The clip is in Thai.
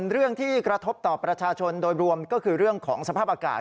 เรื่องที่กระทบต่อประชาชนโดยรวมก็คือเรื่องของสภาพอากาศ